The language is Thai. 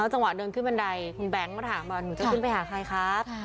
จังหวะเดินขึ้นบันไดคุณแบงค์ก็ถามว่าหนูจะขึ้นไปหาใครครับ